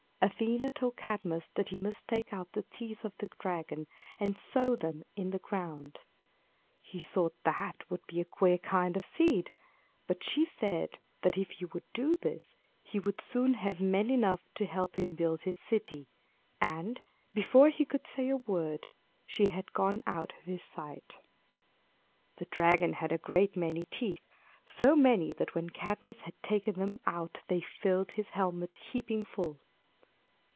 Athena told Cadmus that he must take out the teeth of the dragon and sow them in the ground. He thought that would be a queer kind of seed. But she said that if he would do this, he would soon have men enough to help him build his city; and, before he could say a word, she had gone out of his sight. [Illustration: "SOON THEY BEGAN TO FIGHT AMONG THEMSELVES."] The dragon had a great many teeth so many that when Cadmus had taken them out they filled his helmet heaping full.